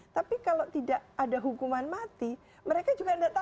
tapi kalau tidak ada hukuman mati mereka juga tidak tahu